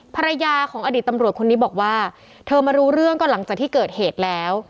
ภรรยาของอดีตตำรวจคนนี้บอกว่าเธอมารู้เรื่องก็หลังจากที่เกิดเหตุแล้ว